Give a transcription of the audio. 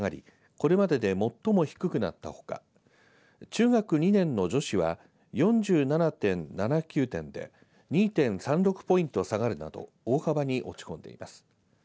これまでで最も低くなったほか中学２年の女子は４７．７９点で２．３６ポイント下がるなど大幅に落ち込んでいます。